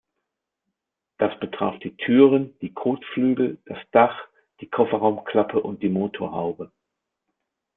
Das betraf die Türen, die Kotflügel, das Dach, die Kofferraumklappe und die Motorhaube.